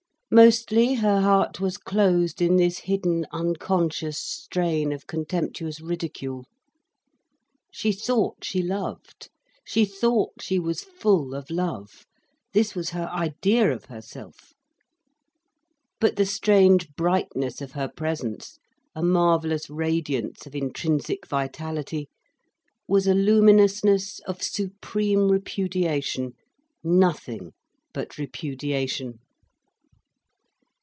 Mostly her heart was closed in this hidden, unconscious strain of contemptuous ridicule. She thought she loved, she thought she was full of love. This was her idea of herself. But the strange brightness of her presence, a marvellous radiance of intrinsic vitality, was a luminousness of supreme repudiation, nothing but repudiation.